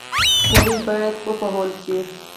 هغوی باید وپوهول شي.